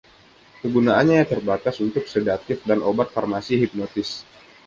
Kegunaannya terbatas untuk sedatif dan obat farmasi hipnotis.